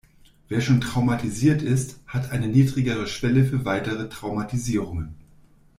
Wer schon traumatisiert ist, hat eine niedrigere Schwelle für weitere Traumatisierungen.